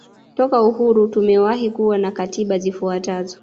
Toka uhuru tumewahi kuwa na katiba zifuatazo